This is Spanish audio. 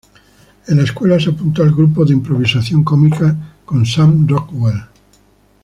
En la escuela, se apuntó al grupo de improvisación cómica con Sam Rockwell.